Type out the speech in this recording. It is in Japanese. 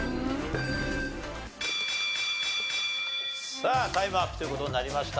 さあタイムアップという事になりました。